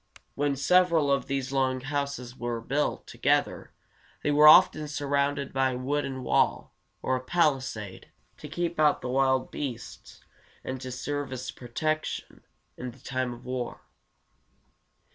When several of these long houses were built together, they were often surrounded by a wooden wall, or palisade, to keep out the wild beasts and to serve as protection in time of war.